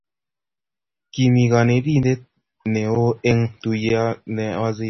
Kimii konetinte ne oo eng tuye ne wazirit.